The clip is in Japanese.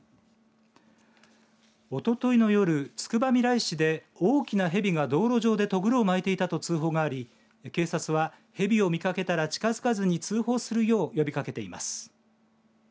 おとといの夜、つくばみらい市で大きな蛇が道路上でとぐろを巻いていたと通報があり警察は蛇を見かけたら近づかずに通報するよう呼びかけています。